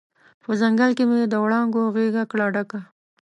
په ځنګل کې مې د وړانګو غیږ کړه ډکه